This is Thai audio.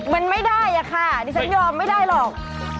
มันไม่ได้ค่ะว่านี่ฉันยอดไม่ได้หรอก